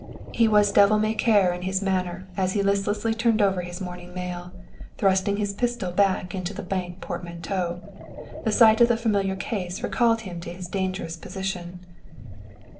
He was devil may care in his manner as he listlessly turned over his morning mail, thrusting his pistol back into the bank portmanteau. The sight of the familiar case recalled to him his dangerous position.